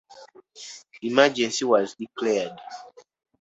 Emergency was declared.